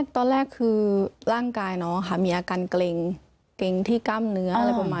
ตอนแรกคือร่างกายมีอาการเกรงที่กล้ามเนื้อ